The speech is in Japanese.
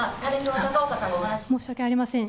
申し訳ありません。